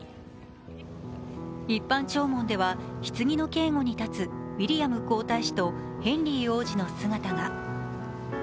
一般弔問ではひつぎの警護に立つウィリアム皇太子とヘンリー王子の姿が。